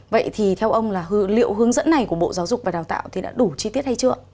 vậy thì theo ông là liệu hướng dẫn này của bộ giáo dục và đào tạo thì đã đủ chi tiết hay chưa